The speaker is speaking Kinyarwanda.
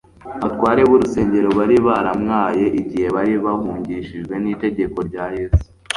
abatware b'urusengero bari baramwaye igihe bari bahungishijwe n'itegeko rya Yesu.